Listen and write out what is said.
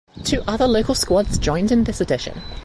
Two other local squads joined in this edition.